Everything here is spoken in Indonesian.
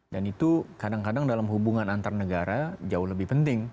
dan itu kadang kadang dalam hubungan antar negara jauh lebih penting